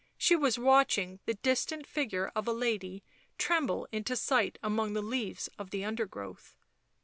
She was watching the distant figure of a lady tremble into sight among the leaves of the undergrowth.